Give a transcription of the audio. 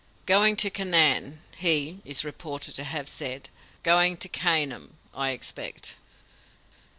"Going to Canaan," he (is reported to have) said. "Going to cane 'em, I expect!"